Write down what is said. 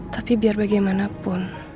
tapi biar bagaimanapun